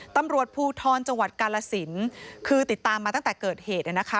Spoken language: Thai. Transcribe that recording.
ตำรวจภูทรจังหวัดกาลสินคือติดตามมาตั้งแต่เกิดเหตุนะคะ